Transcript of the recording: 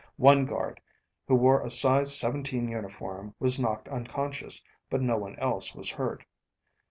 One guard, who wore a size seventeen uniform was knocked unconscious, but no one else was hurt.